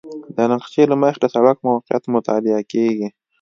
د نقشې له مخې د سړک موقعیت مطالعه کیږي